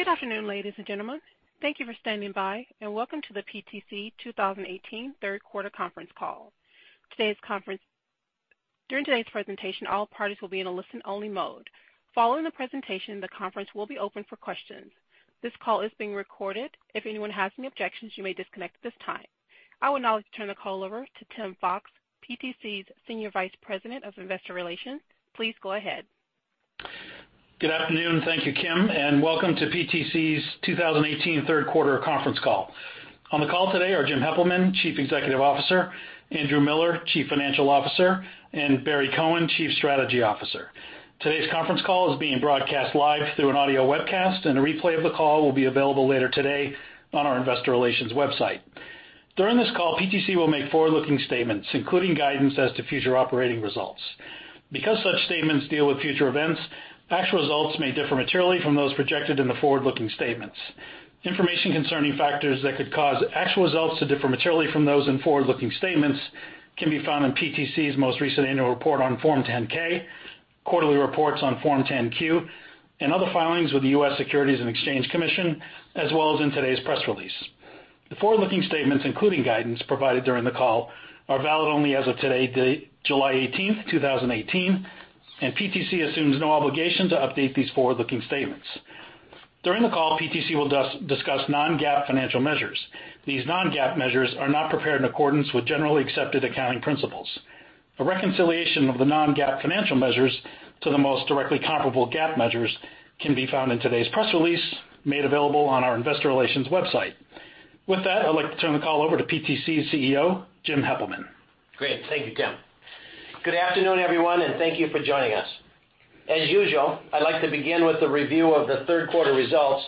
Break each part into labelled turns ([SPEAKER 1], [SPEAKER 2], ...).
[SPEAKER 1] Good afternoon, ladies and gentlemen. Thank you for standing by. Welcome to the PTC 2018 third quarter conference call. During today's presentation, all parties will be in a listen-only mode. Following the presentation, the conference will be open for questions. This call is being recorded. If anyone has any objections, you may disconnect at this time. I would now like to turn the call over to Tim Fox, PTC's Senior Vice President of Investor Relations. Please go ahead.
[SPEAKER 2] Good afternoon. Thank you, Kim. Welcome to PTC's 2018 third quarter conference call. On the call today are Jim Heppelmann, Chief Executive Officer, Andrew Miller, Chief Financial Officer, and Barry Cohen, Chief Strategy Officer. Today's conference call is being broadcast live through an audio webcast. A replay of the call will be available later today on our investor relations website. During this call, PTC will make forward-looking statements, including guidance as to future operating results. Because such statements deal with future events, actual results may differ materially from those projected in the forward-looking statements. Information concerning factors that could cause actual results to differ materially from those in forward-looking statements can be found in PTC's most recent annual report on Form 10-K, quarterly reports on Form 10-Q, and other filings with the U.S. Securities and Exchange Commission, as well as in today's press release. The forward-looking statements, including guidance provided during the call, are valid only as of today's date, July 18th, 2018. PTC assumes no obligation to update these forward-looking statements. During the call, PTC will discuss non-GAAP financial measures. These non-GAAP measures are not prepared in accordance with generally accepted accounting principles. A reconciliation of the non-GAAP financial measures to the most directly comparable GAAP measures can be found in today's press release, made available on our investor relations website. With that, I'd like to turn the call over to PTC's CEO, Jim Heppelmann.
[SPEAKER 3] Great. Thank you, Tim. Good afternoon, everyone. Thank you for joining us. As usual, I'd like to begin with a review of the third quarter results.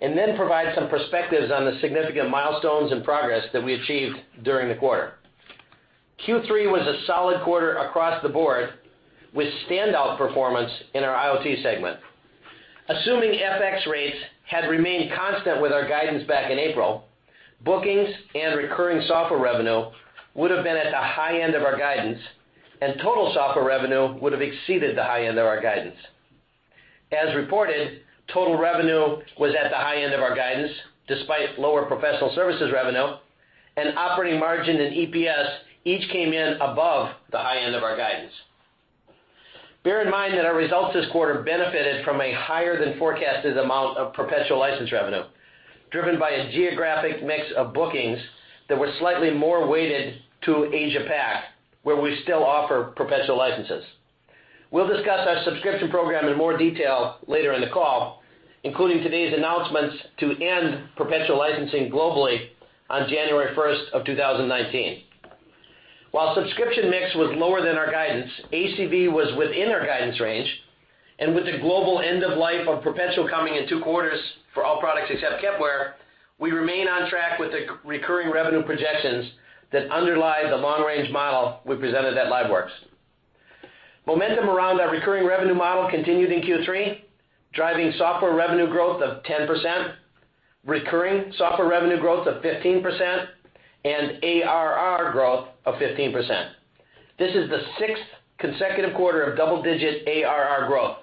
[SPEAKER 3] Then provide some perspectives on the significant milestones and progress that we achieved during the quarter. Q3 was a solid quarter across the board with standout performance in our IoT segment. Assuming FX rates had remained constant with our guidance back in April, bookings and recurring software revenue would have been at the high end of our guidance. Total software revenue would have exceeded the high end of our guidance. As reported, total revenue was at the high end of our guidance despite lower professional services revenue. Operating margin and EPS each came in above the high end of our guidance. Bear in mind that our results this quarter benefited from a higher than forecasted amount of perpetual license revenue, driven by a geographic mix of bookings that were slightly more weighted to APAC, where we still offer perpetual licenses. We'll discuss our subscription program in more detail later in the call, including today's announcements to end perpetual licensing globally on January 1, 2019. While subscription mix was lower than our guidance, ACV was within our guidance range, and with the global end of life of perpetual coming in two quarters for all products except Kepware, we remain on track with the recurring revenue projections that underlie the long-range model we presented at LiveWorx. Momentum around our recurring revenue model continued in Q3, driving software revenue growth of 10%, recurring software revenue growth of 15%, and ARR growth of 15%. This is the sixth consecutive quarter of double-digit ARR growth.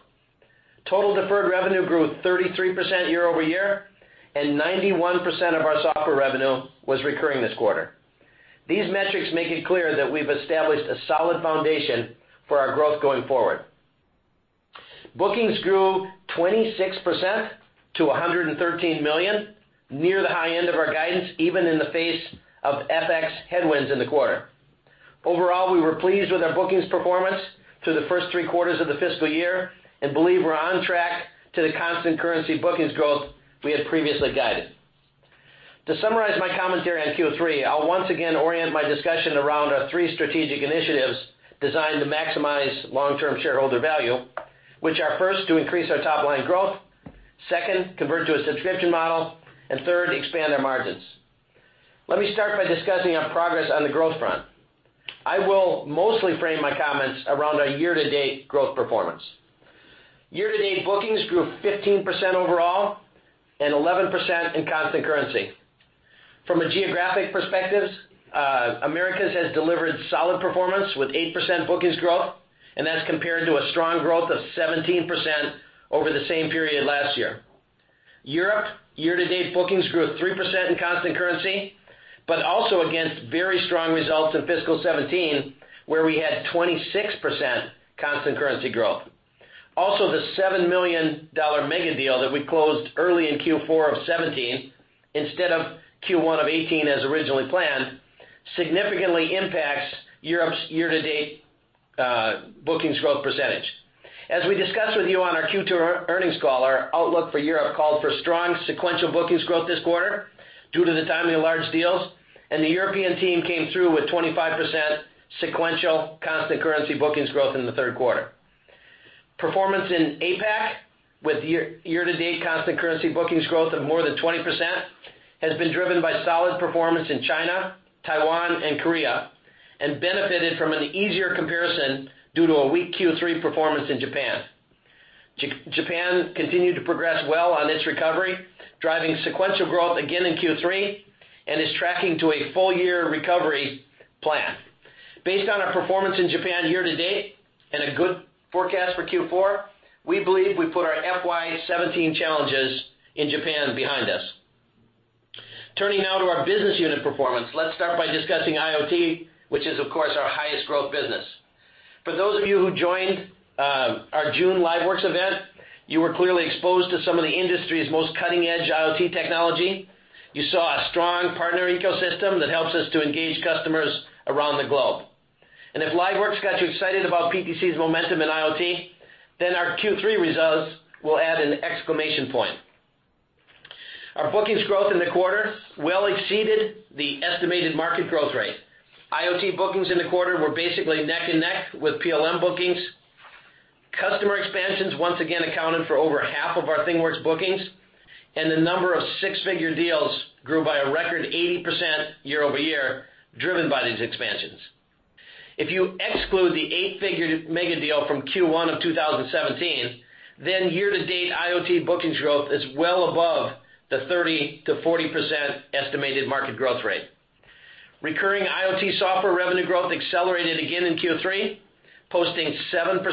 [SPEAKER 3] Total deferred revenue grew 33% year-over-year, and 91% of our software revenue was recurring this quarter. These metrics make it clear that we've established a solid foundation for our growth going forward. Bookings grew 26% to $113 million, near the high end of our guidance, even in the face of FX headwinds in the quarter. Overall, we were pleased with our bookings performance through the first three quarters of the fiscal year and believe we're on track to the constant currency bookings growth we had previously guided. To summarize my commentary on Q3, I'll once again orient my discussion around our three strategic initiatives designed to maximize long-term shareholder value, which are, first, to increase our top-line growth, second, convert to a subscription model, and third, expand our margins. Let me start by discussing our progress on the growth front. I will mostly frame my comments around our year-to-date growth performance. Year-to-date bookings grew 15% overall and 11% in constant currency. From a geographic perspective, Americas has delivered solid performance with 8% bookings growth, and that's compared to a strong growth of 17% over the same period last year. Europe year-to-date bookings grew 3% in constant currency, but also against very strong results in fiscal 2017, where we had 26% constant currency growth. The $7 million mega deal that we closed early in Q4 of 2017 instead of Q1 of 2018 as originally planned significantly impacts Europe's year-to-date bookings growth percentage. As we discussed with you on our Q2 earnings call, outlook for Europe called for strong sequential bookings growth this quarter due to the timing of large deals, and the European team came through with 25% sequential constant currency bookings growth in the third quarter. Performance in APAC with year-to-date constant currency bookings growth of more than 20% has been driven by solid performance in China, Taiwan, and Korea and benefited from an easier comparison due to a weak Q3 performance in Japan. Japan continued to progress well on its recovery, driving sequential growth again in Q3 and is tracking to a full year recovery plan. Based on our performance in Japan year-to-date and a good forecast for Q4, we believe we put our FY 2017 challenges in Japan behind us. Turning now to our business unit performance. Let's start by discussing IoT, which is, of course, our highest growth business. For those of you who joined our June LiveWorx event, you were clearly exposed to some of the industry's most cutting-edge IoT technology. You saw a strong partner ecosystem that helps us to engage customers around the globe. If LiveWorx got you excited about PTC's momentum in IoT, then our Q3 results will add an exclamation point. Our bookings growth in the quarter well exceeded the estimated market growth rate. IoT bookings in the quarter were basically neck and neck with PLM bookings. Customer expansions once again accounted for over half of our ThingWorx bookings, and the number of six-figure deals grew by a record 80% year-over-year, driven by these expansions. If you exclude the eight-figure megadeal from Q1 of 2017, then year-to-date IoT bookings growth is well above the 30%-40% estimated market growth rate. Recurring IoT software revenue growth accelerated again in Q3, posting 7%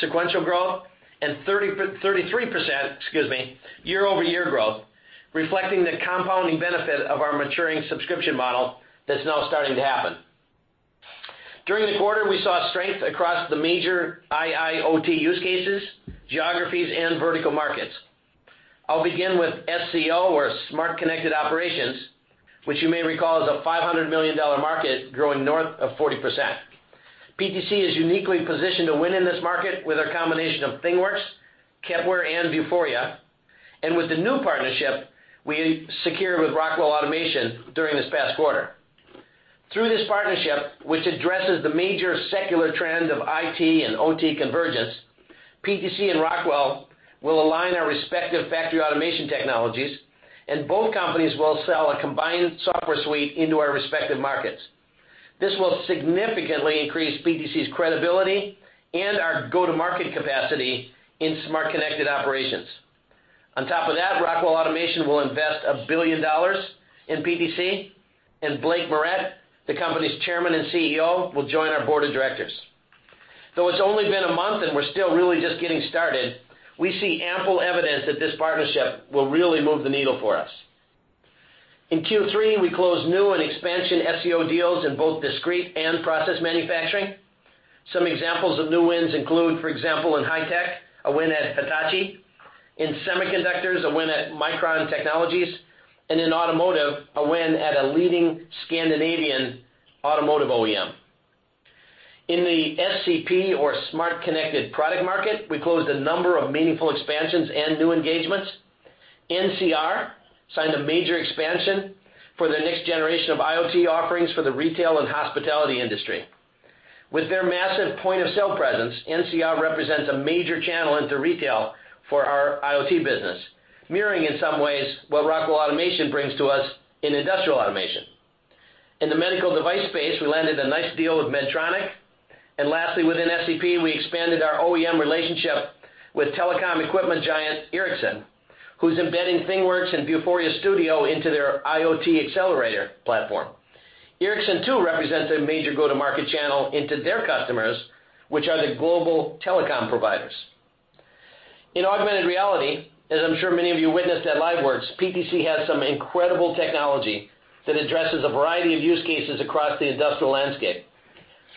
[SPEAKER 3] sequential growth and 33% year-over-year growth, reflecting the compounding benefit of our maturing subscription model that's now starting to happen. During the quarter, we saw strength across the major IIoT use cases, geographies, and vertical markets. I'll begin with SCO or Smart Connected Operations, which you may recall is a $500 million market growing north of 40%. PTC is uniquely positioned to win in this market with our combination of ThingWorx, Kepware, and Vuforia. With the new partnership we secured with Rockwell Automation during this past quarter. Through this partnership, which addresses the major secular trend of IT and OT convergence, PTC and Rockwell will align our respective factory automation technologies, and both companies will sell a combined software suite into our respective markets. This will significantly increase PTC's credibility and our go-to-market capacity in Smart Connected Operations. On top of that, Rockwell Automation will invest $1 billion in PTC, and Blake Moret, the company's Chairman and CEO, will join our board of directors. Though it's only been a month and we're still really just getting started, we see ample evidence that this partnership will really move the needle for us. In Q3, we closed new and expansion SCO deals in both discrete and process manufacturing. Some examples of new wins include, for example, in high tech, a win at Hitachi, in semiconductors, a win at Micron Technology, and in automotive, a win at a leading Scandinavian automotive OEM. In the SCP or Smart Connected Product market, we closed a number of meaningful expansions and new engagements. NCR signed a major expansion for the next generation of IoT offerings for the retail and hospitality industry. With their massive point-of-sale presence, NCR represents a major channel into retail for our IoT business, mirroring in some ways what Rockwell Automation brings to us in industrial automation. In the medical device space, we landed a nice deal with Medtronic. Lastly, within SCP, we expanded our OEM relationship with telecom equipment giant Ericsson, who's embedding ThingWorx and Vuforia Studio into their IoT accelerator platform. Ericsson, too, represents a major go-to-market channel into their customers, which are the global telecom providers. In augmented reality, as I'm sure many of you witnessed at LiveWorx, PTC has some incredible technology that addresses a variety of use cases across the industrial landscape.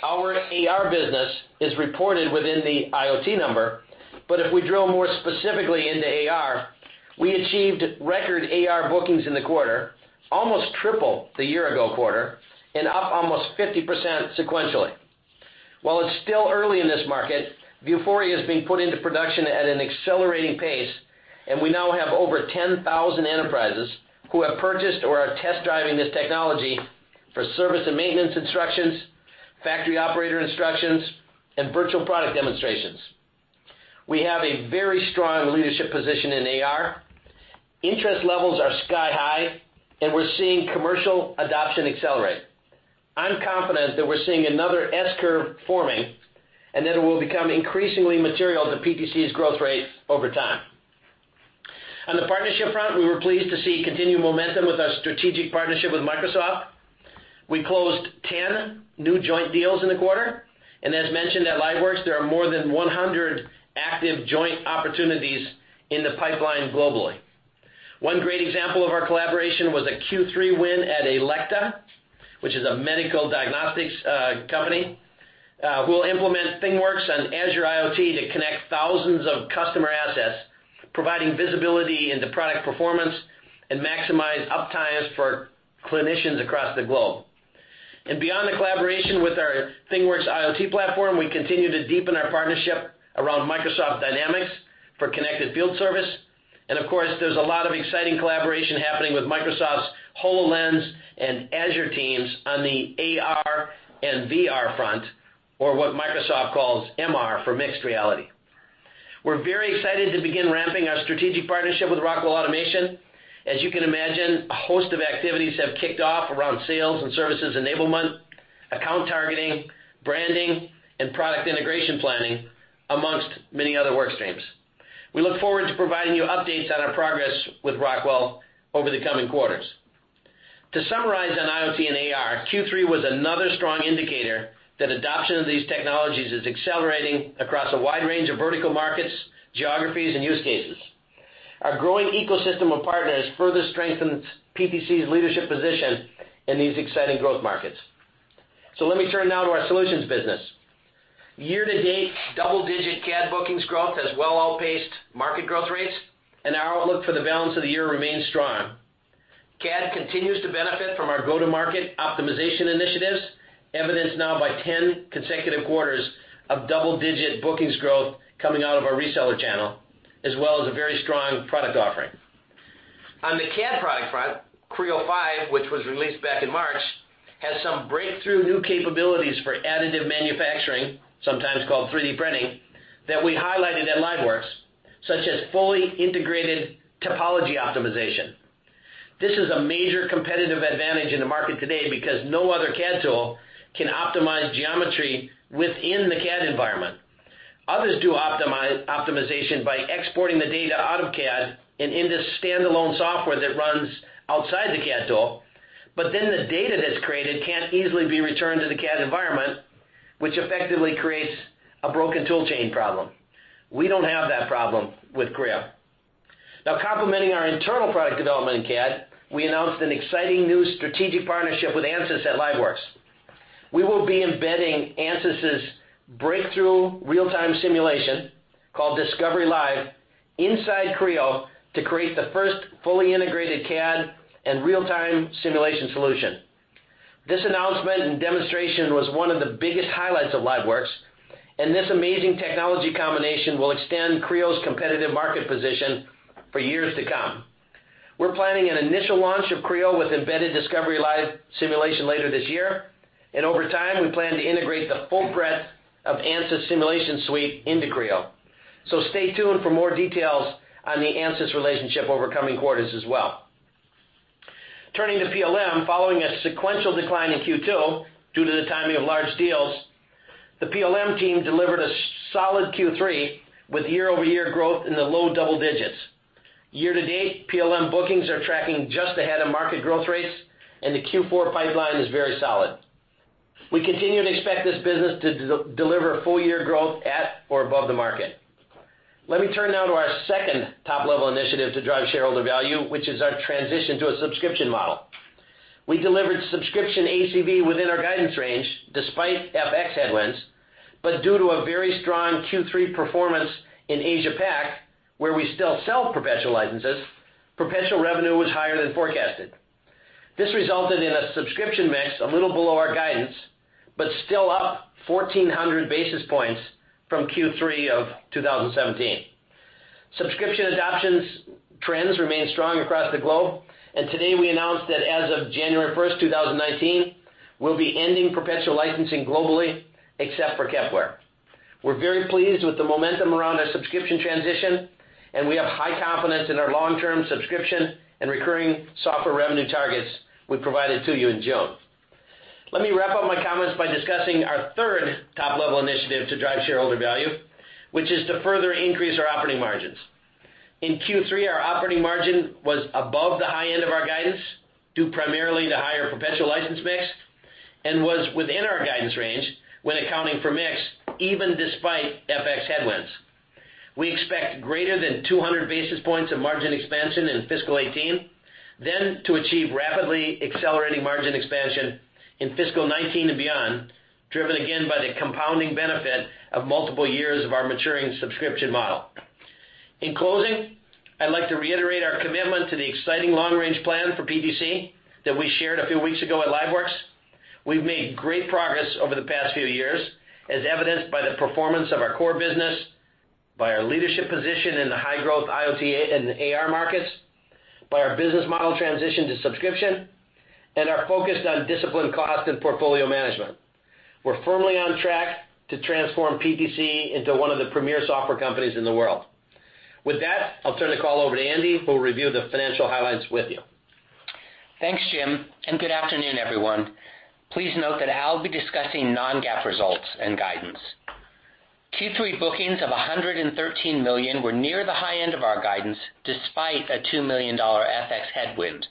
[SPEAKER 3] Our AR business is reported within the IoT number, but if we drill more specifically into AR, we achieved record AR bookings in the quarter, almost triple the year ago quarter, and up almost 50% sequentially. While it's still early in this market, Vuforia is being put into production at an accelerating pace, and we now have over 10,000 enterprises who have purchased or are test driving this technology for service and maintenance instructions, factory operator instructions, and virtual product demonstrations. We have a very strong leadership position in AR. Interest levels are sky high, and we're seeing commercial adoption accelerate. I'm confident that we're seeing another S-curve forming and that it will become increasingly material to PTC's growth rate over time. On the partnership front, we were pleased to see continued momentum with our strategic partnership with Microsoft. We closed 10 new joint deals in the quarter, and as mentioned at LiveWorx, there are more than 100 active joint opportunities in the pipeline globally. One great example of our collaboration was a Q3 win at Elekta, which is a medical diagnostics company. We'll implement ThingWorx and Azure IoT to connect thousands of customer assets, providing visibility into product performance and maximize uptimes for clinicians across the globe. Beyond the collaboration with our ThingWorx IoT platform, we continue to deepen our partnership around Microsoft Dynamics for connected field service. Of course, there's a lot of exciting collaboration happening with Microsoft's HoloLens and Azure teams on the AR and VR front, or what Microsoft calls MR for mixed reality. We're very excited to begin ramping our strategic partnership with Rockwell Automation. As you can imagine, a host of activities have kicked off around sales and services enablement, account targeting, branding, and product integration planning, amongst many other work streams. We look forward to providing you updates on our progress with Rockwell over the coming quarters. To summarize on IoT and AR, Q3 was another strong indicator that adoption of these technologies is accelerating across a wide range of vertical markets, geographies, and use cases. Our growing ecosystem of partners further strengthens PTC's leadership position in these exciting growth markets. Let me turn now to our solutions business. Year to date, double-digit CAD bookings growth has well outpaced market growth rates, and our outlook for the balance of the year remains strong. CAD continues to benefit from our go-to-market optimization initiatives, evidenced now by 10 consecutive quarters of double-digit bookings growth coming out of our reseller channel, as well as a very strong product offering. On the CAD product front, Creo 5, which was released back in March, has some breakthrough new capabilities for additive manufacturing, sometimes called 3D printing, that we highlighted at LiveWorx, such as fully integrated topology optimization. This is a major competitive advantage in the market today because no other CAD tool can optimize geometry within the CAD environment. Others do optimization by exporting the data out of CAD and into standalone software that runs outside the CAD tool. Then the data that's created can't easily be returned to the CAD environment, which effectively creates a broken tool chain problem. We don't have that problem with Creo. Now complementing our internal product development in CAD, we announced an exciting new strategic partnership with Ansys at LiveWorx. We will be embedding Ansys' breakthrough real-time simulation, called Discovery Live, inside Creo to create the first fully integrated CAD and real-time simulation solution. This announcement and demonstration was one of the biggest highlights of LiveWorx, and this amazing technology combination will extend Creo's competitive market position for years to come. We're planning an initial launch of Creo with embedded Discovery Live simulation later this year. Over time, we plan to integrate the full breadth of Ansys simulation suite into Creo. Stay tuned for more details on the Ansys relationship over coming quarters as well. Turning to PLM, following a sequential decline in Q2 due to the timing of large deals, the PLM team delivered a solid Q3 with year-over-year growth in the low double digits. Year-to-date, PLM bookings are tracking just ahead of market growth rates, and the Q4 pipeline is very solid. We continue to expect this business to deliver full-year growth at or above the market. Let me turn now to our second top-level initiative to drive shareholder value, which is our transition to a subscription model. We delivered subscription ACV within our guidance range despite FX headwinds. Due to a very strong Q3 performance in Asia-Pac, where we still sell perpetual licenses, perpetual revenue was higher than forecasted. This resulted in a subscription mix a little below our guidance, but still up 1,400 basis points from Q3 of 2017. Subscription adoption trends remain strong across the globe. Today we announced that as of January 1st, 2019, we'll be ending perpetual licensing globally except for Kepware. We're very pleased with the momentum around our subscription transition, and we have high confidence in our long-term subscription and recurring software revenue targets we provided to you in June. Let me wrap up my comments by discussing our third top-level initiative to drive shareholder value, which is to further increase our operating margins. In Q3, our operating margin was above the high end of our guidance, due primarily to higher perpetual license mix, and was within our guidance range when accounting for mix, even despite FX headwinds. We expect greater than 200 basis points of margin expansion in fiscal 2018, to achieve rapidly accelerating margin expansion in fiscal 2019 and beyond, driven again by the compounding benefit of multiple years of our maturing subscription model. In closing, I'd like to reiterate our commitment to the exciting long-range plan for PTC that we shared a few weeks ago at LiveWorx. We've made great progress over the past few years, as evidenced by the performance of our core business, by our leadership position in the high-growth IoT and AR markets, by our business model transition to subscription, and our focus on disciplined cost and portfolio management. We're firmly on track to transform PTC into one of the premier software companies in the world. With that, I'll turn the call over to Andy, who will review the financial highlights with you.
[SPEAKER 4] Thanks, Jim, and good afternoon, everyone. Please note that I will be discussing non-GAAP results and guidance. Q3 bookings of $113 million were near the high end of our guidance, despite a $2 million FX headwind,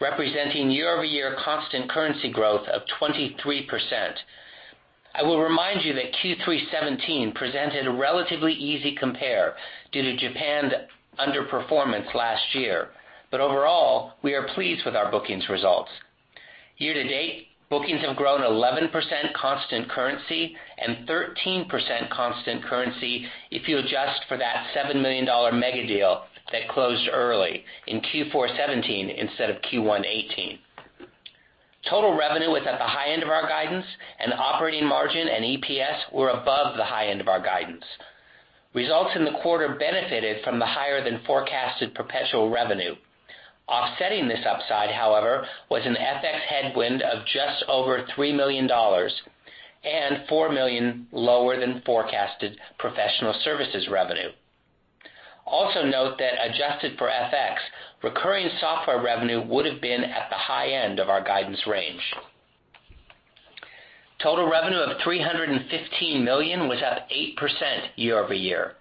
[SPEAKER 4] representing year-over-year constant currency growth of 23%. I will remind you that Q3 2017 presented a relatively easy compare due to Japan's underperformance last year. Overall, we are pleased with our bookings results. Year-to-date, bookings have grown 11% constant currency and 13% constant currency if you adjust for that $7 million megadeal that closed early in Q4 2017 instead of Q1 2018. Total revenue was at the high end of our guidance, and operating margin and EPS were above the high end of our guidance. Results in the quarter benefited from the higher than forecasted perpetual revenue. Offsetting this upside, however, was an FX headwind of just over $3 million and $4 million lower than forecasted professional services revenue. Also note that adjusted for FX, recurring software revenue would have been at the high end of our guidance range. Total revenue of $315 million was up 8% year-over-year.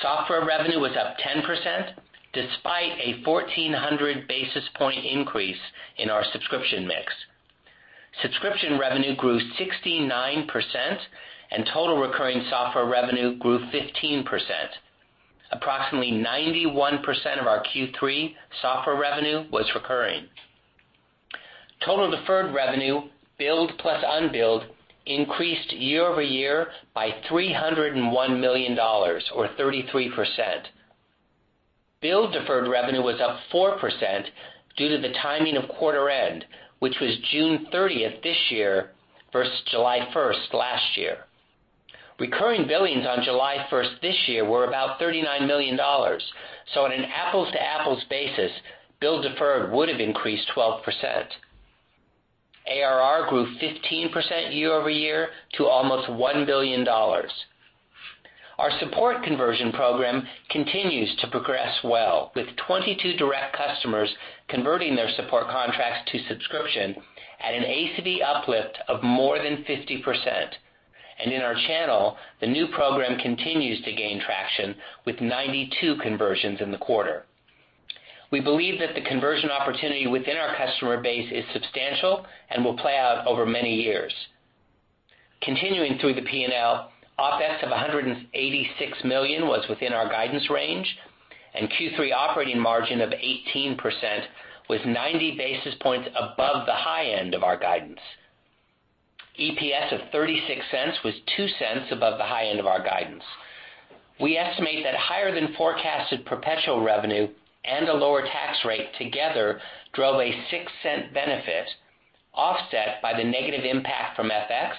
[SPEAKER 4] Software revenue was up 10%, despite a 1,400 basis point increase in our subscription mix. Subscription revenue grew 69%, and total recurring software revenue grew 15%. Approximately 91% of our Q3 software revenue was recurring. Total deferred revenue, billed plus unbilled, increased year-over-year by $301 million, or 33%. Billed deferred revenue was up 4% due to the timing of quarter end, which was June 30 this year versus July 1 last year. Recurring billings on July 1 this year were about $39 million. On an apples-to-apples basis, bill deferred would have increased 12%. ARR grew 15% year-over-year to almost $1 billion. Our support conversion program continues to progress well, with 22 direct customers converting their support contracts to subscription at an ACV uplift of more than 50%. In our channel, the new program continues to gain traction with 92 conversions in the quarter. We believe that the conversion opportunity within our customer base is substantial and will play out over many years. Continuing through the P&L, OpEx of $186 million was within our guidance range, and Q3 operating margin of 18% was 90 basis points above the high end of our guidance. EPS of $0.36 was $0.02 above the high end of our guidance. We estimate that higher than forecasted perpetual revenue and a lower tax rate together drove a $0.06 benefit, offset by the negative impact from FX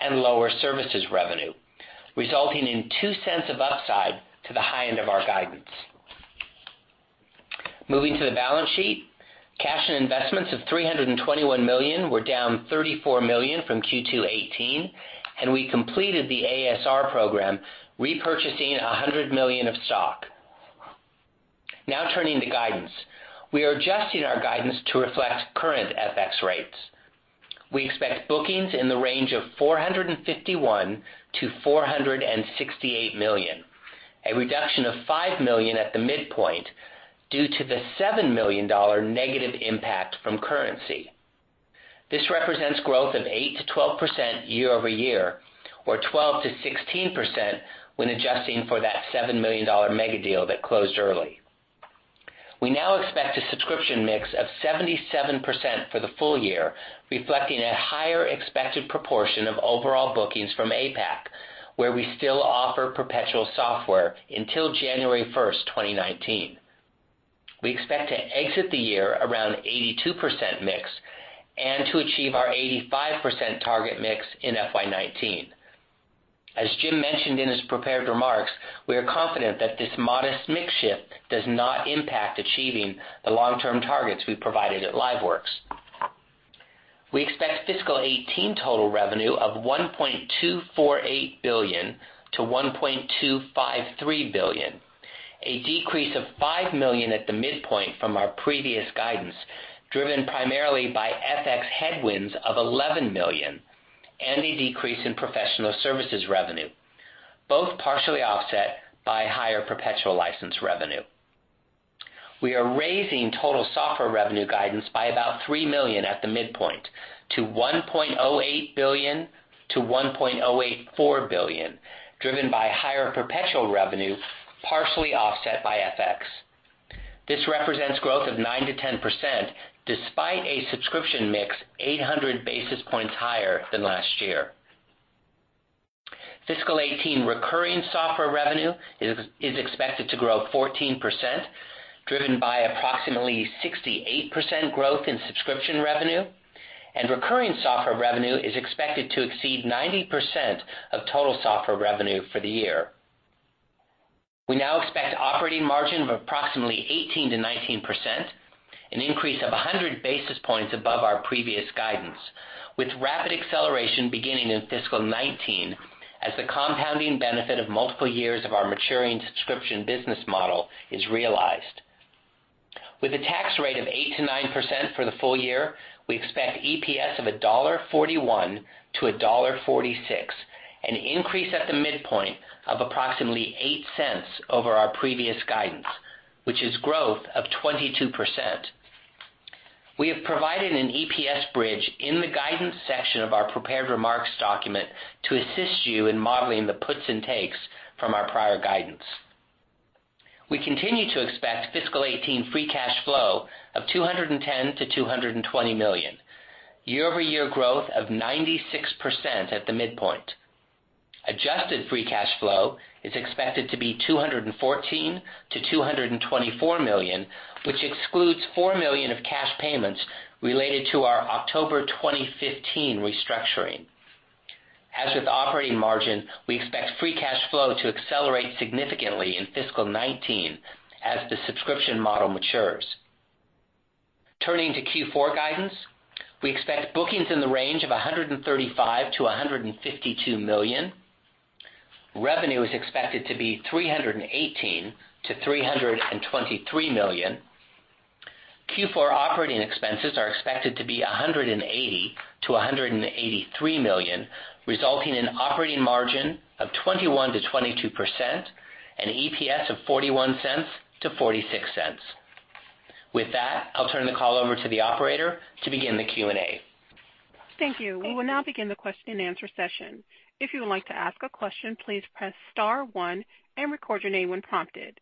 [SPEAKER 4] and lower services revenue, resulting in $0.02 of upside to the high end of our guidance. Moving to the balance sheet, cash and investments of $321 million were down $34 million from Q2 2018, and we completed the ASR program, repurchasing $100 million of stock. Turning to guidance. We are adjusting our guidance to reflect current FX rates. We expect bookings in the range of $451 million to $468 million, a reduction of $5 million at the midpoint due to the $7 million negative impact from currency. This represents growth of 8%-12% year-over-year, or 12%-16% when adjusting for that $7 million megadeal that closed early. We now expect a subscription mix of 77% for the full year, reflecting a higher expected proportion of overall bookings from APAC, where we still offer perpetual software until January 1st, 2019. We expect to exit the year around 82% mix and to achieve our 85% target mix in FY 2019. As Jim mentioned in his prepared remarks, we are confident that this modest mix shift does not impact achieving the long-term targets we provided at LiveWorx. We expect fiscal 2018 total revenue of $1.248 billion-$1.253 billion, a decrease of $5 million at the midpoint from our previous guidance, driven primarily by FX headwinds of $11 million and a decrease in professional services revenue, both partially offset by higher perpetual license revenue. We are raising total software revenue guidance by about $3 million at the midpoint to $1.08 billion-$1.084 billion, driven by higher perpetual revenue, partially offset by FX. This represents growth of 9%-10%, despite a subscription mix 800 basis points higher than last year. Fiscal 2018 recurring software revenue is expected to grow 14%, driven by approximately 68% growth in subscription revenue, and recurring software revenue is expected to exceed 90% of total software revenue for the year. We now expect operating margin of approximately 18%-19%, an increase of 100 basis points above our previous guidance, with rapid acceleration beginning in fiscal 2019 as the compounding benefit of multiple years of our maturing subscription business model is realized. With a tax rate of 8%-9% for the full year, we expect EPS of $1.41-$1.46, an increase at the midpoint of approximately $0.08 over our previous guidance, which is growth of 22%. We have provided an EPS bridge in the guidance section of our prepared remarks document to assist you in modeling the puts and takes from our prior guidance. We continue to expect fiscal 2018 free cash flow of $210 million-$220 million, year-over-year growth of 96% at the midpoint. Adjusted free cash flow is expected to be $214 million-$224 million, which excludes $4 million of cash payments related to our October 2015 restructuring. As with operating margin, we expect free cash flow to accelerate significantly in fiscal 2019 as the subscription model matures. Turning to Q4 guidance, we expect bookings in the range of $135 million-$152 million. Revenue is expected to be $318 million-$323 million. Q4 operating expenses are expected to be $180 million-$183 million, resulting in operating margin of 21%-22% and EPS of $0.41-$0.46. With that, I'll turn the call over to the operator to begin the Q&A.
[SPEAKER 1] Thank you. We will now begin the question and answer session. If you would like to ask a question, please press star one and record your name when prompted.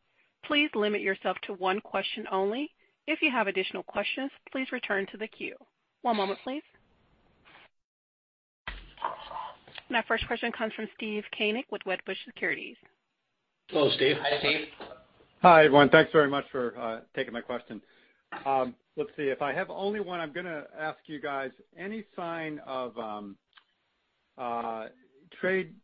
[SPEAKER 1] Please limit yourself to one question only. If you have additional questions, please return to the queue. One moment, please. My first question comes from Steve Koenig with Wedbush Securities.
[SPEAKER 3] Hello, Steve.
[SPEAKER 4] Hi, Steve.
[SPEAKER 5] Hi, everyone. Thanks very much for taking my question. Let's see. If I have only one, I'm going to ask you guys any sign of trade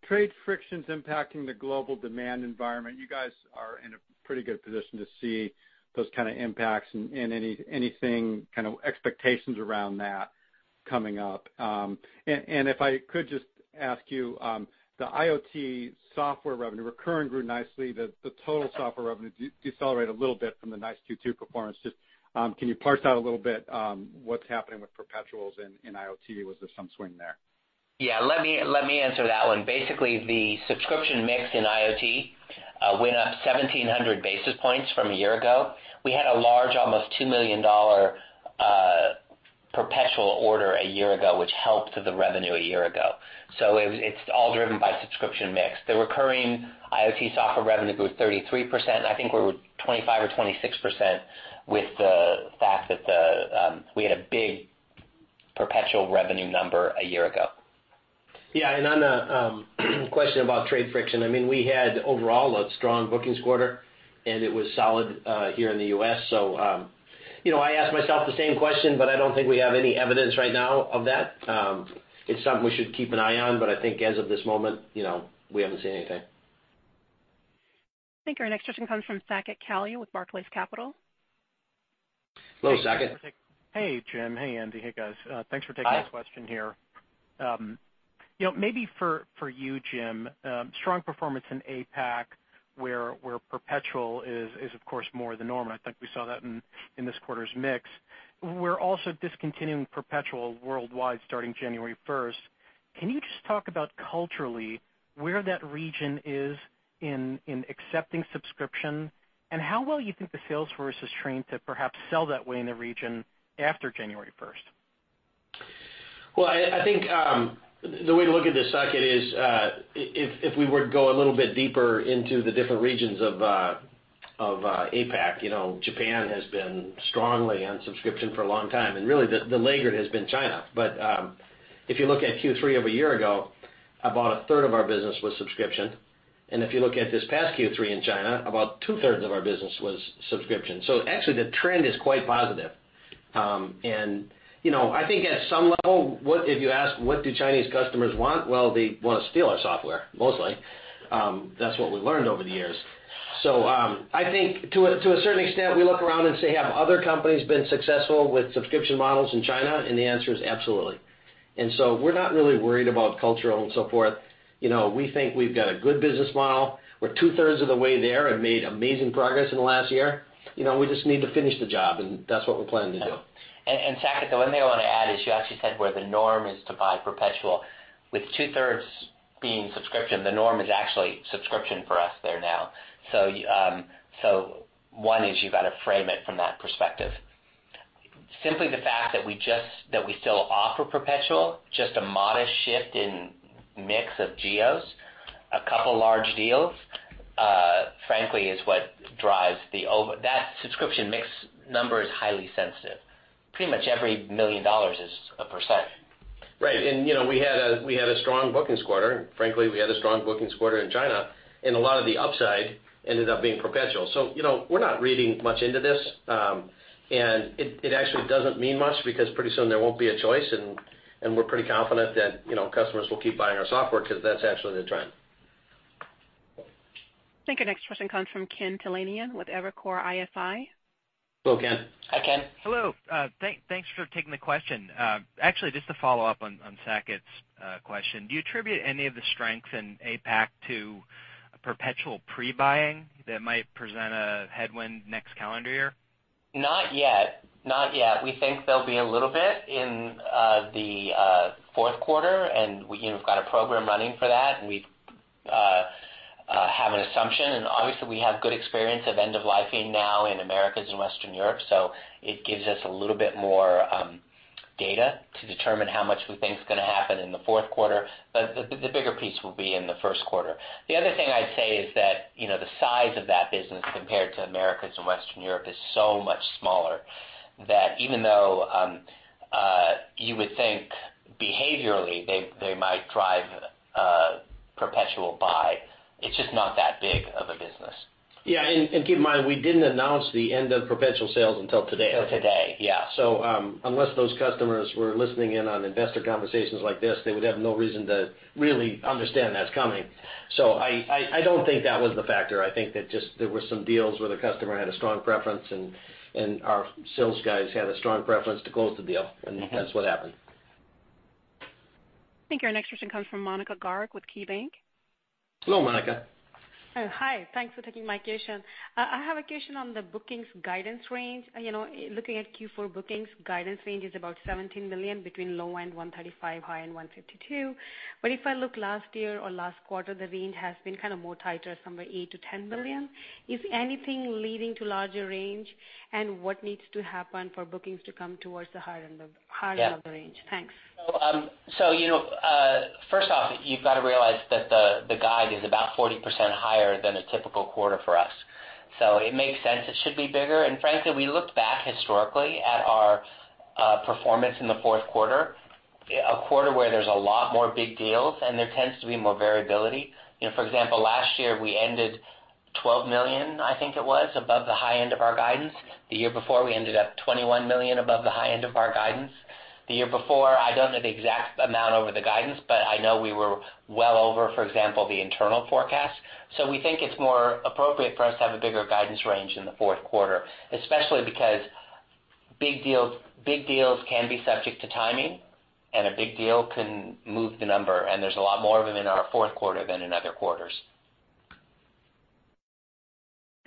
[SPEAKER 5] frictions impacting the global demand environment? You guys are in a pretty good position to see those kind of impacts and anything, kind of expectations around that coming up. If I could just ask you, the IoT software revenue recurring grew nicely. The total software revenue decelerated a little bit from the nice Q2 performance. Just can you parse out a little bit, what's happening with Perpetuals in IoT? Was there some swing there?
[SPEAKER 4] Yeah. Let me answer that one. Basically, the subscription mix in IoT went up 1,700 basis points from a year ago. We had a large, almost $2 million Perpetual order a year ago, which helped the revenue a year ago. It's all driven by subscription mix. The recurring IoT software revenue grew 33%. I think we're 25% or 26% with the fact that we had a big Perpetual revenue number a year ago.
[SPEAKER 3] Yeah. On the question about trade friction, we had overall a strong bookings quarter, and it was solid here in the U.S. I ask myself the same question, but I don't think we have any evidence right now of that. It's something we should keep an eye on, but I think as of this moment, we haven't seen anything.
[SPEAKER 1] I think our next question comes from Saket Kalia with Barclays Capital.
[SPEAKER 3] Hello, Saket.
[SPEAKER 6] Hey, Jim. Hey, Andy. Hey, guys. Hi. Thanks for taking the question here. Maybe for you, Jim, strong performance in APAC, where Perpetual is, of course, more the norm. I think we saw that in this quarter's mix. We're also discontinuing Perpetual worldwide starting January 1st. Can you just talk about culturally where that region is in accepting subscription, and how well you think the sales force is trained to perhaps sell that way in the region after January 1st?
[SPEAKER 3] Well, I think, the way to look at this, Saket, is, if we were to go a little bit deeper into the different regions of APAC, Japan has been strongly on subscription for a long time, and really the laggard has been China. If you look at Q3 of a year ago, about a third of our business was subscription. If you look at this past Q3 in China, about two-thirds of our business was subscription. Actually, the trend is quite positive. I think at some level, if you ask what do Chinese customers want? Well, they want to steal our software, mostly. That's what we've learned over the years. I think to a certain extent, we look around and say, have other companies been successful with subscription models in China? The answer is absolutely. We're not really worried about cultural and so forth. We think we've got a good business model. We're two-thirds of the way there and made amazing progress in the last year. We just need to finish the job, and that's what we're planning to do.
[SPEAKER 4] Saket, the one thing I want to add is you actually said where the norm is to buy Perpetual. With two-thirds being subscription, the norm is actually subscription for us there now. One is you've got to frame it from that perspective. Simply the fact that we still offer Perpetual, just a modest shift in mix of geos, a couple large deals, frankly, is what drives That subscription mix number is highly sensitive. Pretty much every million dollars is a %.
[SPEAKER 3] Right. We had a strong bookings quarter, and frankly, we had a strong bookings quarter in China, and a lot of the upside ended up being Perpetual. We're not reading much into this. It actually doesn't mean much because pretty soon there won't be a choice, and we're pretty confident that customers will keep buying our software because that's actually the trend.
[SPEAKER 1] I think our next question comes from Ken Talanian with Evercore ISI.
[SPEAKER 3] Hello, Ken.
[SPEAKER 7] Hi, Ken. Hello. Thanks for taking the question. Actually, just to follow up on Saket's question, do you attribute any of the strength in APAC to Perpetual pre-buying that might present a headwind next calendar year?
[SPEAKER 4] Not yet. We think there'll be a little bit in the fourth quarter, and we've got a program running for that, and we have an assumption, and obviously, we have good experience of end-of-lifing now in Americas and Western Europe. It gives us a little bit more data to determine how much we think is going to happen in the fourth quarter. The bigger piece will be in the first quarter. The other thing I'd say is that the size of that business compared to Americas and Western Europe is so much smaller that even though you would think behaviorally they might drive a Perpetual buy, it's just not that big of a business.
[SPEAKER 3] Yeah, keep in mind, we didn't announce the end of Perpetual sales until today.
[SPEAKER 4] Until today, yeah.
[SPEAKER 3] Unless those customers were listening in on investor conversations like this, they would have no reason to really understand that's coming. I don't think that was the factor. I think that just there were some deals where the customer had a strong preference, and our sales guys had a strong preference to close the deal, and that's what happened.
[SPEAKER 1] I think our next question comes from Monika Garg with KeyBanc.
[SPEAKER 4] Hello, Monika.
[SPEAKER 8] Hi. Thanks for taking my question. I have a question on the bookings guidance range. Looking at Q4 bookings, guidance range is about $17 million between low end $135 million, high end $152 million. If I look last year or last quarter, the range has been more tighter, somewhere $8 million-$10 million. Is anything leading to larger range, and what needs to happen for bookings to come towards the higher end of the range? Thanks.
[SPEAKER 4] First off, you've got to realize that the guide is about 40% higher than a typical quarter for us. It makes sense it should be bigger. Frankly, we looked back historically at our performance in the fourth quarter, a quarter where there's a lot more big deals, and there tends to be more variability. For example, last year we ended $12 million, I think it was, above the high end of our guidance. The year before, we ended up $21 million above the high end of our guidance. The year before, I don't know the exact amount over the guidance, but I know we were well over, for example, the internal forecast. We think it's more appropriate for us to have a bigger guidance range in the fourth quarter, especially because big deals can be subject to timing, and a big deal can move the number, and there's a lot more of them in our fourth quarter than in other quarters.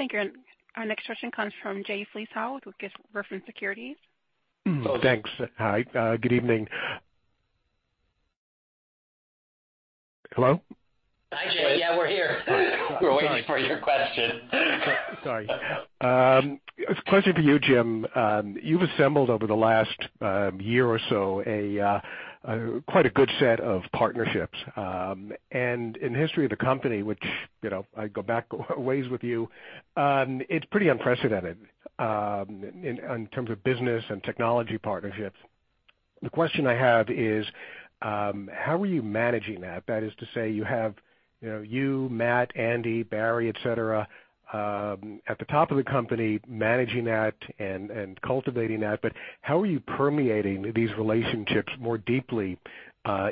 [SPEAKER 1] Thank you. Our next question comes from Jay Vleeschhouwer with Griffin Securities
[SPEAKER 9] Thanks. Hi, good evening. Hello?
[SPEAKER 4] Hi, Jay. Yeah, we're here. We're waiting for your question.
[SPEAKER 9] Sorry. A question for you, Jim. You've assembled over the last year or so, quite a good set of partnerships. In the history of the company, which I go back ways with you, it's pretty unprecedented in terms of business and technology partnerships. The question I have is, how are you managing that? That is to say, you have you, Matt, Andy, Barry, et cetera, at the top of the company managing that and cultivating that. How are you permeating these relationships more deeply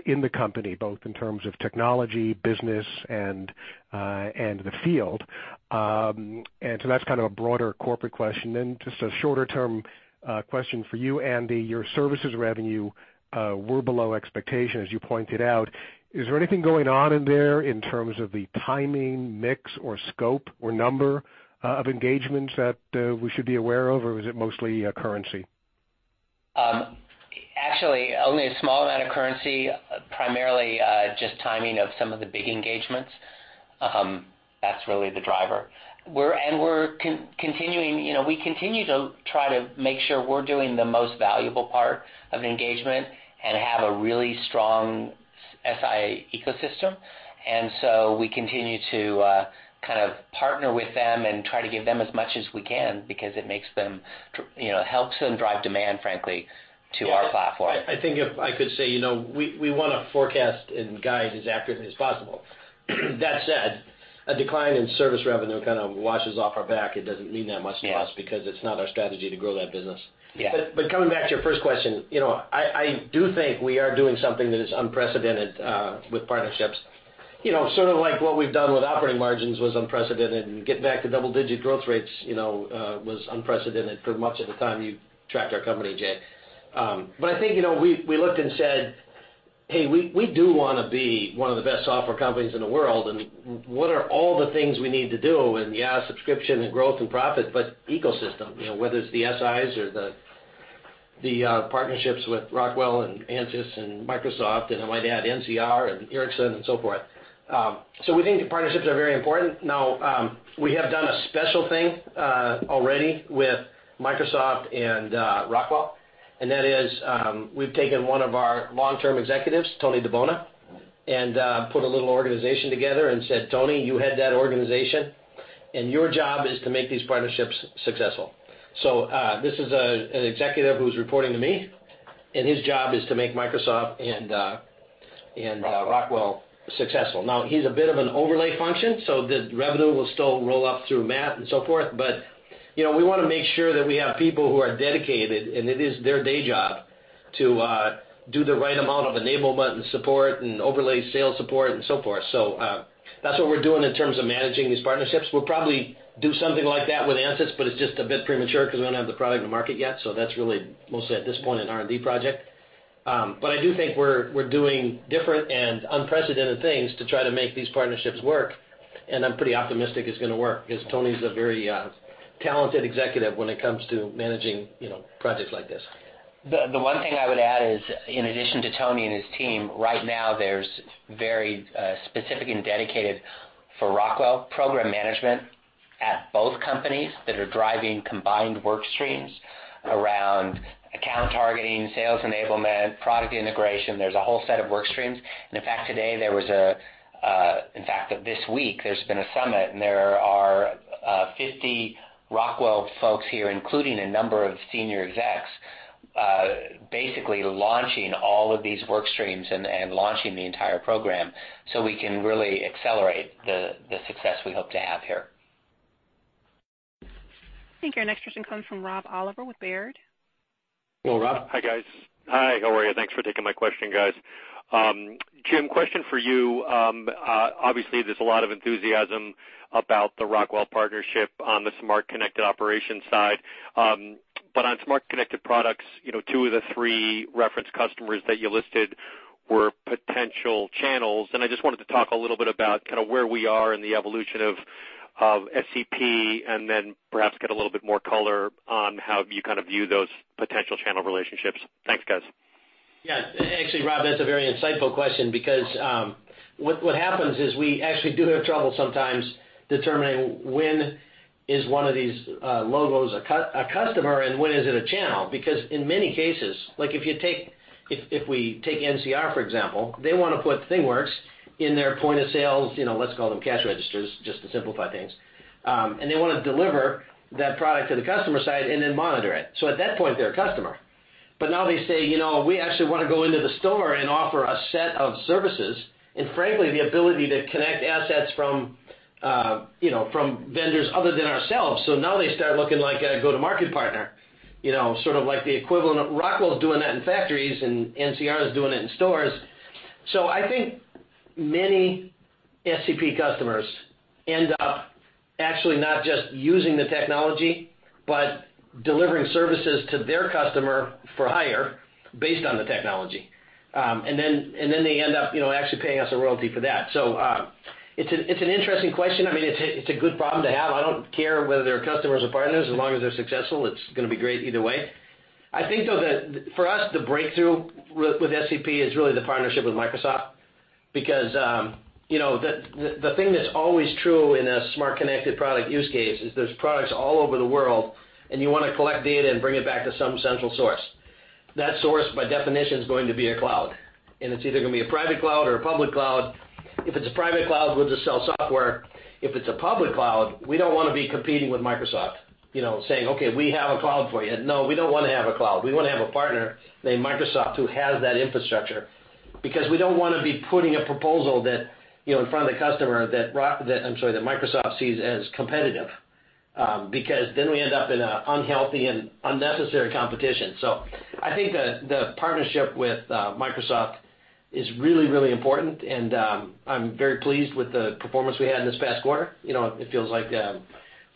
[SPEAKER 9] in the company, both in terms of technology, business, and the field? That's kind of a broader corporate question. Just a shorter-term question for you, Andy. Your services revenue were below expectations, as you pointed out. Is there anything going on in there in terms of the timing, mix, or scope, or number of engagements that we should be aware of? Was it mostly currency?
[SPEAKER 4] Only a small amount of currency, primarily just timing of some of the big engagements. That's really the driver. We continue to try to make sure we're doing the most valuable part of engagement and have a really strong SI ecosystem. We continue to partner with them and try to give them as much as we can because it helps them drive demand, frankly, to our platform.
[SPEAKER 3] I think if I could say, we want to forecast and guide as accurately as possible. That said, a decline in service revenue kind of washes off our back. It doesn't mean that much to us because it's not our strategy to grow that business.
[SPEAKER 4] Yeah.
[SPEAKER 3] Coming back to your first question, I do think we are doing something that is unprecedented with partnerships. Sort of like what we've done with operating margins was unprecedented, and getting back to double-digit growth rates was unprecedented for much of the time you've tracked our company, Jay. I think we looked and said, "Hey, we do want to be one of the best software companies in the world, and what are all the things we need to do?" Yeah, subscription and growth and profit, but ecosystem, whether it's the SIs or the partnerships with Rockwell Automation and Ansys and Microsoft, I might add NCR and Ericsson and so forth. We think the partnerships are very important. We have done a special thing already with Microsoft and Rockwell Automation, and that is we've taken one of our long-term executives, Tony DiBona, and put a little organization together and said, "Tony, you head that organization, and your job is to make these partnerships successful." This is an executive who's reporting to me, and his job is to make Microsoft and Rockwell Automation successful. He's a bit of an overlay function, so the revenue will still roll up through Matt and so forth. We want to make sure that we have people who are dedicated, and it is their day job to do the right amount of enablement and support and overlay sales support and so forth. That's what we're doing in terms of managing these partnerships. We'll probably do something like that with Ansys, it's just a bit premature because we don't have the product in the market yet. That's really mostly at this point an R&D project. I do think we're doing different and unprecedented things to try to make these partnerships work. I'm pretty optimistic it's going to work because Tony's a very talented executive when it comes to managing projects like this.
[SPEAKER 4] The one thing I would add is, in addition to Tony and his team, right now there's very specific and dedicated for Rockwell program management at both companies that are driving combined work streams around account targeting, sales enablement, product integration. There's a whole set of work streams. In fact, this week, there's been a summit, and there are 50 Rockwell folks here, including a number of senior execs basically launching all of these work streams and launching the entire program so we can really accelerate the success we hope to have here.
[SPEAKER 1] I think our next question comes from Rob Oliver with Baird.
[SPEAKER 3] Hello, Rob.
[SPEAKER 10] Hi, guys. Hi, how are you? Thanks for taking my question, guys. Jim, question for you. Obviously, there's a lot of enthusiasm about the Rockwell partnership on the Smart Connected Operations side. On Smart Connected Products, two of the three reference customers that you listed I just wanted to talk a little bit about where we are in the evolution of SCP. Perhaps get a little bit more color on how you view those potential channel relationships. Thanks, guys.
[SPEAKER 3] Yeah. Actually, Rob, that's a very insightful question, because what happens is we actually do have trouble sometimes determining when is one of these logos a customer and when is it a channel. Because in many cases, like if we take NCR, for example, they want to put ThingWorx in their point of sales, let's call them cash registers, just to simplify things. They want to deliver that product to the customer side and then monitor it. At that point, they're a customer. Now they say, "We actually want to go into the store and offer a set of services, and frankly, the ability to connect assets from vendors other than ourselves." Now they start looking like a go-to-market partner, sort of like the equivalent of Rockwell's doing that in factories, and NCR is doing it in stores. I think many SCP customers end up actually not just using the technology, but delivering services to their customer for hire based on the technology. They end up actually paying us a royalty for that. It's an interesting question. It's a good problem to have. I don't care whether they're customers or partners, as long as they're successful, it's going to be great either way. I think, though, that for us, the breakthrough with SCP is really the partnership with Microsoft, because the thing that's always true in a Smart Connected Product use case is there's products all over the world, and you want to collect data and bring it back to some central source. That source, by definition, is going to be a cloud. It's either going to be a private cloud or a public cloud. If it's a private cloud, we'll just sell software. If it's a public cloud, we don't want to be competing with Microsoft, saying, "Okay, we have a cloud for you." No, we don't want to have a cloud. We want to have a partner named Microsoft who has that infrastructure, because we don't want to be putting a proposal in front of the customer that Microsoft sees as competitive. Because then we end up in an unhealthy and unnecessary competition. I think the partnership with Microsoft is really, really important, and I'm very pleased with the performance we had in this past quarter. It feels like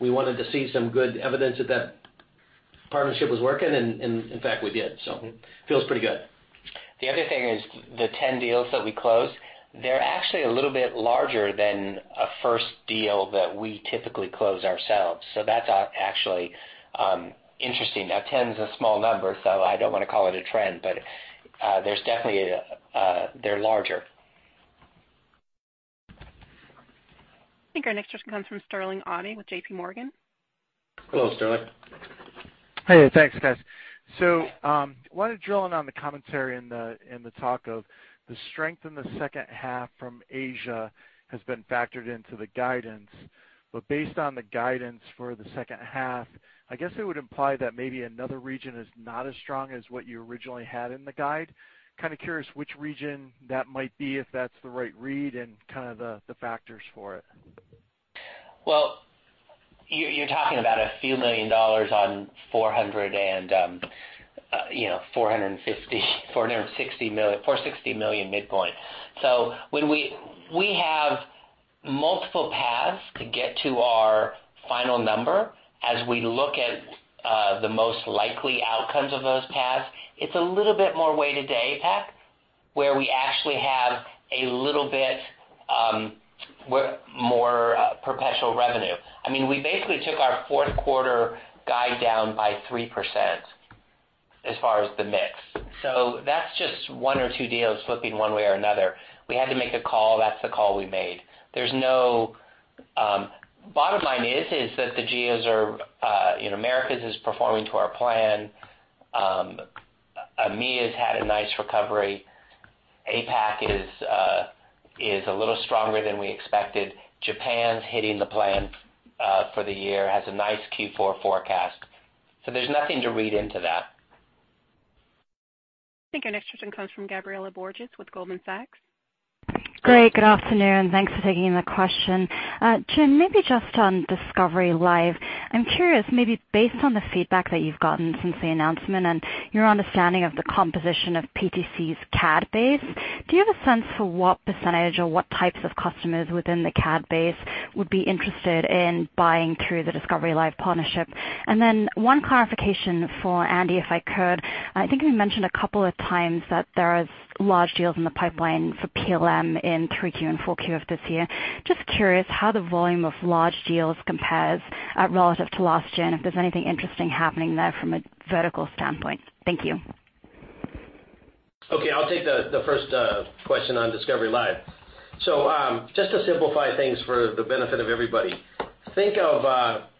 [SPEAKER 3] we wanted to see some good evidence that that partnership was working, and in fact, we did. It feels pretty good.
[SPEAKER 4] The other thing is the 10 deals that we closed, they're actually a little bit larger than a first deal that we typically close ourselves. That's actually interesting. Now, 10's a small number, I don't want to call it a trend, but they're larger.
[SPEAKER 1] I think our next question comes from Sterling Auty with JPMorgan.
[SPEAKER 3] Hello, Sterling.
[SPEAKER 11] Hey, thanks, guys. I wanted to drill in on the commentary and the talk of the strength in the second half from Asia has been factored into the guidance. Based on the guidance for the second half, I guess it would imply that maybe another region is not as strong as what you originally had in the guide. Kind of curious which region that might be, if that's the right read, and the factors for it.
[SPEAKER 4] You're talking about a few million dollars on $460 million midpoint. We have multiple paths to get to our final number. As we look at the most likely outcomes of those paths, it's a little bit more weighted to APAC, where we actually have a little bit more perpetual revenue. We basically took our fourth quarter guide down by 3% as far as the mix. That's just one or two deals flipping one way or another. We had to make a call. That's the call we made. Bottom line is that Americas is performing to our plan. EMEA has had a nice recovery. APAC is a little stronger than we expected. Japan's hitting the plan for the year, has a nice Q4 forecast. There's nothing to read into that.
[SPEAKER 1] I think our next question comes from Gabriela Borges with Goldman Sachs.
[SPEAKER 12] Great. Good afternoon. Thanks for taking the question. Jim, maybe just on Discovery Live, I'm curious, maybe based on the feedback that you've gotten since the announcement and your understanding of the composition of PTC's CAD base, do you have a sense for what % or what types of customers within the CAD base would be interested in buying through the Discovery Live partnership? One clarification for Andy, if I could. I think you mentioned a couple of times that there are large deals in the pipeline for PLM in Q3 and Q4 of this year. Just curious how the volume of large deals compares relative to last year, and if there's anything interesting happening there from a vertical standpoint. Thank you.
[SPEAKER 3] I'll take the first question on Discovery Live. Just to simplify things for the benefit of everybody, think of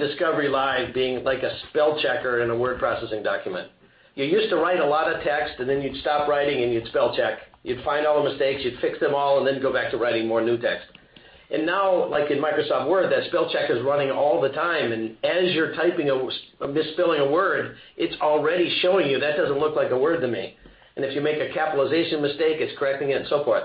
[SPEAKER 3] Discovery Live being like a spellchecker in a word processing document. You used to write a lot of text, and then you'd stop writing, and you'd spell check. You'd find all the mistakes, you'd fix them all, and then go back to writing more new text. Now, like in Microsoft Word, that spell check is running all the time, and as you're typing or misspelling a word, it's already showing you, "That doesn't look like a word to me." If you make a capitalization mistake, it's correcting it and so forth.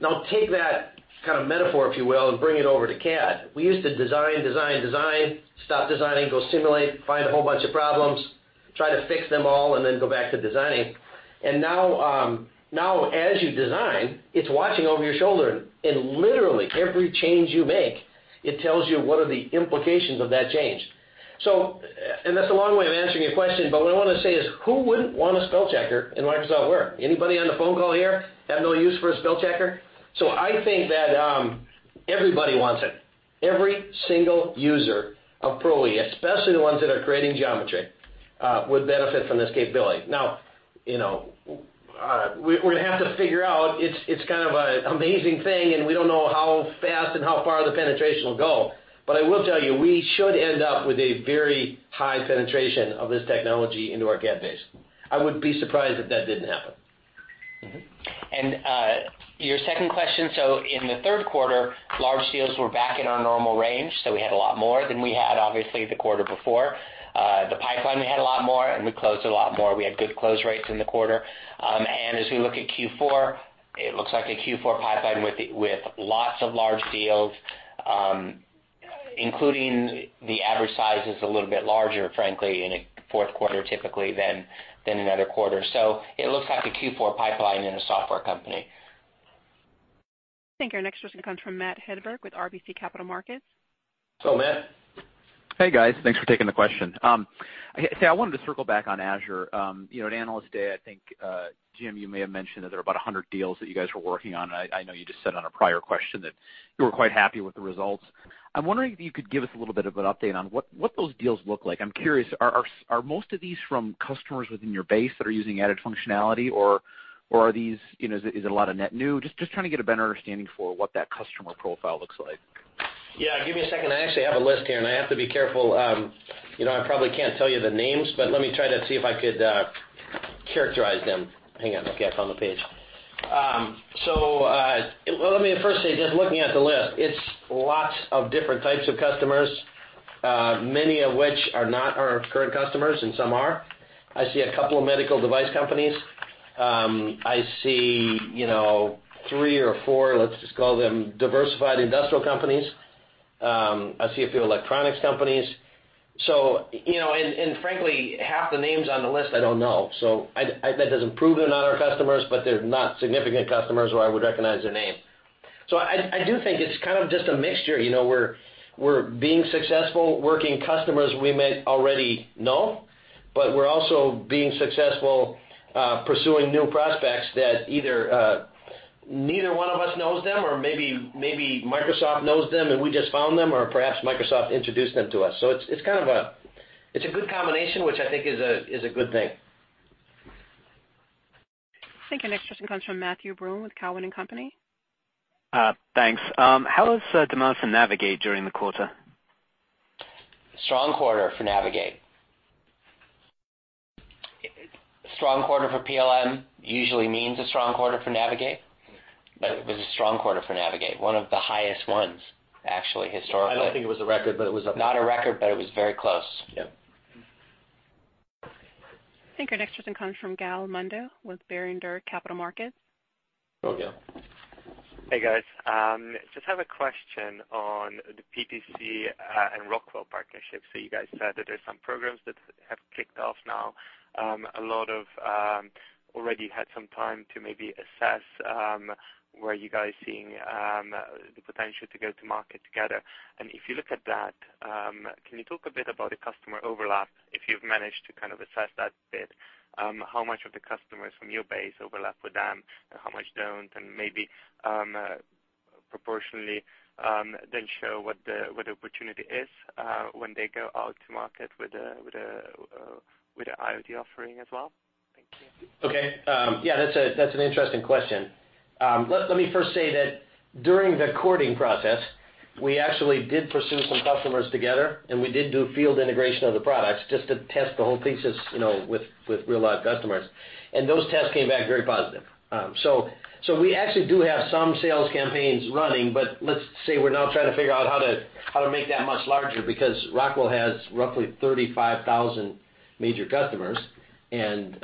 [SPEAKER 3] Now take that kind of metaphor, if you will, and bring it over to CAD. We used to design, design, stop designing, go simulate, find a whole bunch of problems, try to fix them all, and then go back to designing. Now, as you design, it's watching over your shoulder and literally every change you make, it tells you what are the implications of that change. That's a long way of answering your question, but what I want to say is, who wouldn't want a spellchecker in Microsoft Word? Anybody on the phone call here have no use for a spellchecker? I think that everybody wants it. Every single user of Creo, especially the ones that are creating geometry, would benefit from this capability. Now, we're going to have to figure out, it's kind of an amazing thing, and we don't know how fast and how far the penetration will go. I will tell you, we should end up with a very high penetration of this technology into our CAD base. I would be surprised if that didn't happen.
[SPEAKER 4] Your second question. In the third quarter, large deals were back in our normal range, we had a lot more than we had, obviously, the quarter before. The pipeline, we had a lot more, and we closed a lot more. We had good close rates in the quarter. As we look at Q4, it looks like a Q4 pipeline with lots of large deals, including the average size is a little bit larger, frankly, in a fourth quarter, typically, than in other quarters. It looks like a Q4 pipeline in a software company.
[SPEAKER 1] I think our next question comes from Matt Hedberg with RBC Capital Markets.
[SPEAKER 3] Matt.
[SPEAKER 13] Hey, guys. Thanks for taking the question. I wanted to circle back on Azure. At Analyst Day, I think, Jim, you may have mentioned that there are about 100 deals that you guys were working on, and I know you just said on a prior question that you were quite happy with the results. I'm wondering if you could give us a little bit of an update on what those deals look like. I'm curious, are most of these from customers within your base that are using added functionality, or is it a lot of net new? Just trying to get a better understanding for what that customer profile looks like.
[SPEAKER 3] Yeah, give me a second. I actually have a list here, and I have to be careful. I probably can't tell you the names, but let me try to see if I could characterize them. Hang on. Okay, I found the page. Let me first say, just looking at the list, it's lots of different types of customers, many of which are not our current customers, and some are. I see a couple of medical device companies. I see three or four, let's just call them diversified industrial companies. I see a few electronics companies. And frankly, half the names on the list I don't know. That doesn't prove they're not our customers, but they're not significant customers where I would recognize their name. I do think it's kind of just a mixture. We're being successful working customers we might already know. We're also being successful pursuing new prospects that either neither one of us knows them, or maybe Microsoft knows them and we just found them, or perhaps Microsoft introduced them to us. It's a good combination, which I think is a good thing.
[SPEAKER 1] I think our next question comes from Matthew Broome with Cowen and Company.
[SPEAKER 14] Thanks. How was demand for Navigate during the quarter?
[SPEAKER 4] Strong quarter for Navigate. A strong quarter for PLM usually means a strong quarter for Navigate. It was a strong quarter for Navigate, one of the highest ones, actually, historically.
[SPEAKER 3] I don't think it was a record, but it was up there.
[SPEAKER 4] Not a record, but it was very close.
[SPEAKER 3] Yep.
[SPEAKER 1] I think our next question comes from Gal Munda with Berenberg Capital Markets.
[SPEAKER 3] Go, Gal.
[SPEAKER 15] Hey, guys. Just have a question on the PTC and Rockwell partnership. You guys said that there's some programs that have kicked off now. A lot of already had some time to maybe assess where you guys are seeing the potential to go to market together. If you look at that, can you talk a bit about the customer overlap, if you've managed to kind of assess that a bit? How much of the customers from your base overlap with them, how much don't, and maybe proportionally then show what the opportunity is when they go out to market with the IoT offering as well? Thank you.
[SPEAKER 3] Okay. Yeah, that's an interesting question. Let me first say that during the courting process, we actually did pursue some customers together, and we did do field integration of the products just to test the whole thesis with real live customers. Those tests came back very positive. We actually do have some sales campaigns running. Let's say we're now trying to figure out how to make that much larger because Rockwell has roughly 35,000 major customers and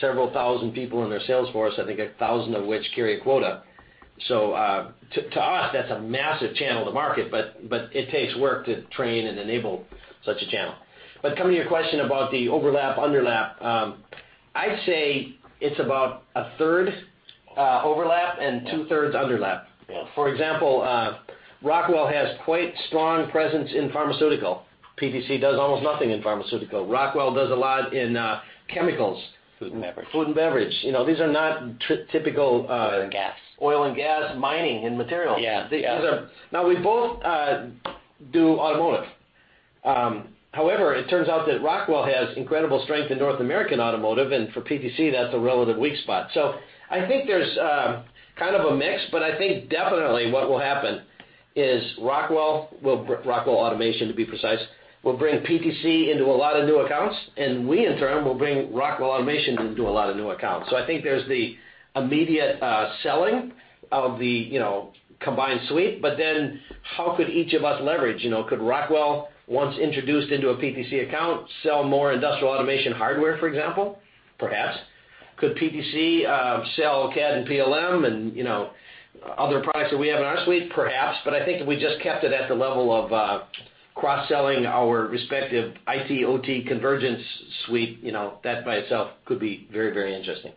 [SPEAKER 3] several thousand people in their sales force, I think 1,000 of which carry a quota. To us, that's a massive channel to market, but it takes work to train and enable such a channel. Coming to your question about the overlap, underlap, I'd say it's about a third overlap and two-thirds underlap.
[SPEAKER 4] Yeah.
[SPEAKER 3] For example, Rockwell has quite strong presence in pharmaceutical. PTC does almost nothing in pharmaceutical. Rockwell does a lot in chemicals.
[SPEAKER 4] Food and beverage.
[SPEAKER 3] Food and beverage. These are not typical-
[SPEAKER 4] Oil and gas
[SPEAKER 3] Oil and gas, mining, and material.
[SPEAKER 4] Yeah.
[SPEAKER 3] We both do automotive. It turns out that Rockwell has incredible strength in North American automotive, and for PTC, that's a relative weak spot. I think there's kind of a mix, but I think definitely what will happen is Rockwell Automation, to be precise, will bring PTC into a lot of new accounts, and we in turn will bring Rockwell Automation into a lot of new accounts. I think there's the immediate selling of the combined suite. How could each of us leverage? Could Rockwell, once introduced into a PTC account, sell more industrial automation hardware, for example? Perhaps. Could PTC sell CAD and PLM and other products that we have in our suite? Perhaps. I think if we just kept it at the level of cross-selling our respective IT/OT convergence suite, that by itself could be very interesting.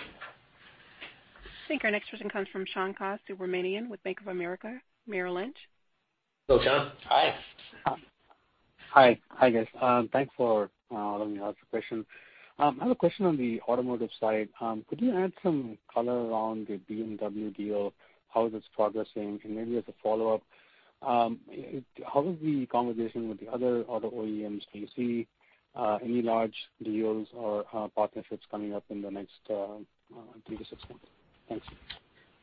[SPEAKER 1] I think our next person comes from Shankar Subramanian with Bank of America Merrill Lynch.
[SPEAKER 3] Hello, Shank.
[SPEAKER 16] Hi, guys. Thanks for letting me ask a question. I have a question on the automotive side. Could you add some color around the BMW deal, how is this progressing? Maybe as a follow-up, how is the conversation with the other auto OEMs? Do you see any large deals or partnerships coming up in the next three to six months? Thanks.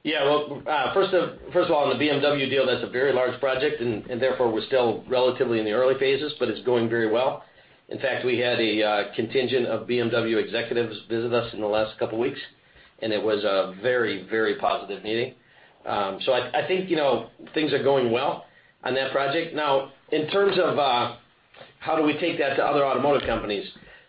[SPEAKER 3] Yeah. First of all, on the BMW deal, that's a very large project. Therefore, we're still relatively in the early phases, but it's going very well. In fact, we had a contingent of BMW executives visit us in the last couple of weeks. It was a very positive meeting. I think things are going well on that project. In terms of how do we take that to other automotive companies?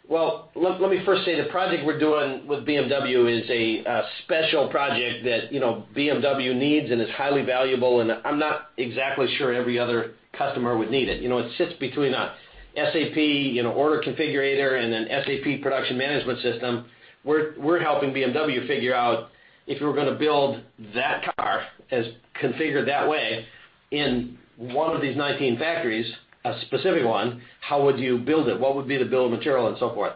[SPEAKER 3] Let me first say the project we're doing with BMW is a special project that BMW needs and is highly valuable, and I'm not exactly sure every other customer would need it. It sits between a SAP order configurator and an SAP production management system. We're helping BMW figure out if you were going to build that car as configured that way in one of these 19 factories, a specific one, how would you build it? What would be the bill of material and so forth?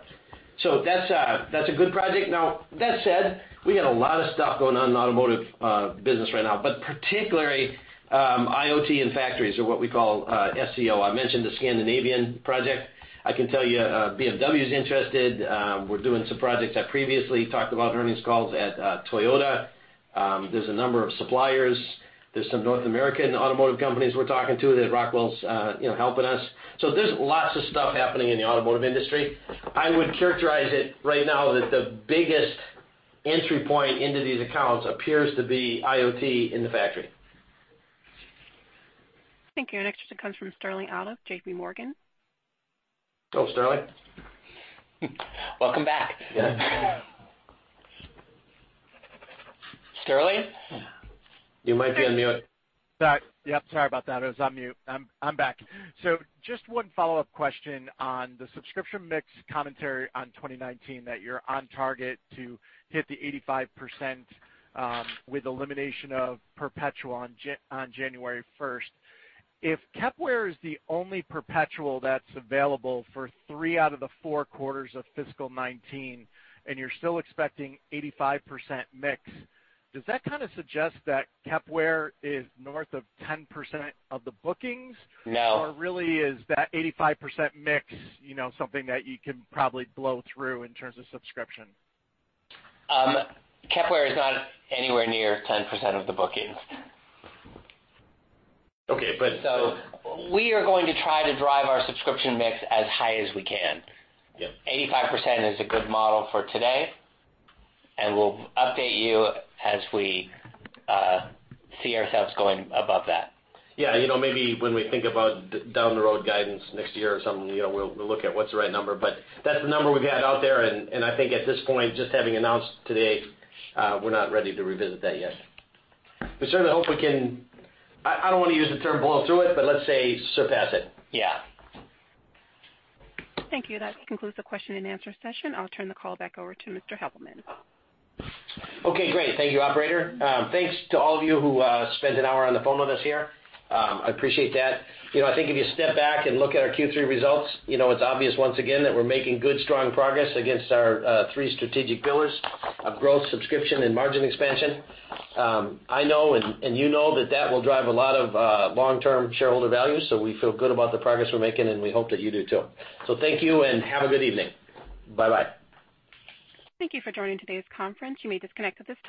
[SPEAKER 3] That's a good project. Now, that said, we got a lot of stuff going on in the automotive business right now, but particularly IoT in factories or what we call SCO. I mentioned the Scandinavian project. I can tell you BMW is interested. We're doing some projects I previously talked about in earnings calls at Toyota. There's a number of suppliers. There's some North American automotive companies we're talking to that Rockwell's helping us. There's lots of stuff happening in the automotive industry. I would characterize it right now that the biggest entry point into these accounts appears to be IoT in the factory.
[SPEAKER 1] Thank you. Our next question comes from Sterling Auty of JPMorgan.
[SPEAKER 3] Hello, Sterling.
[SPEAKER 4] Welcome back.
[SPEAKER 3] Sterling, you might be on mute.
[SPEAKER 11] Yep, sorry about that. I was on mute. I'm back. Just one follow-up question on the subscription mix commentary on 2019 that you're on target to hit the 85% with elimination of perpetual on January 1st. If Kepware is the only perpetual that's available for three out of the four quarters of fiscal 2019, and you're still expecting 85% mix, does that kind of suggest that Kepware is north of 10% of the bookings?
[SPEAKER 3] No.
[SPEAKER 11] Really is that 85% mix something that you can probably blow through in terms of subscription?
[SPEAKER 4] Kepware is not anywhere near 10% of the bookings.
[SPEAKER 11] Okay.
[SPEAKER 4] We are going to try to drive our subscription mix as high as we can.
[SPEAKER 3] Yep.
[SPEAKER 4] 85% is a good model for today, and we'll update you as we see ourselves going above that.
[SPEAKER 3] Yeah. Maybe when we think about down the road guidance next year or something, we'll look at what's the right number, but that's the number we've got out there, and I think at this point, just having announced today, we're not ready to revisit that yet. We certainly hope we can I don't want to use the term blow through it, but let's say surpass it.
[SPEAKER 4] Yeah.
[SPEAKER 1] Thank you. That concludes the question and answer session. I'll turn the call back over to Mr. Heppelmann.
[SPEAKER 3] Okay, great. Thank you, operator. Thanks to all of you who spent an hour on the phone with us here. I appreciate that. I think if you step back and look at our Q3 results, it's obvious once again that we're making good, strong progress against our three strategic pillars of growth, subscription, and margin expansion. I know and you know that that will drive a lot of long-term shareholder value. We feel good about the progress we're making, and we hope that you do too. Thank you and have a good evening. Bye.
[SPEAKER 1] Thank you for joining today's conference. You may disconnect at this time.